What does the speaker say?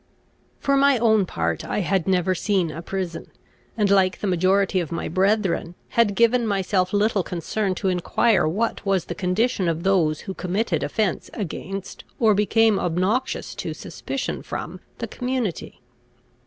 For my own part, I had never seen a prison, and, like the majority of my brethren, had given myself little concern to enquire what was the condition of those who committed offence against, or became obnoxious to suspicion from, the community.